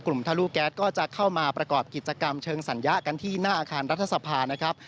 ทะลุแก๊สก็จะเข้ามาประกอบกิจกรรมเชิงสัญญะกันที่หน้าอาคารรัฐสภานะครับ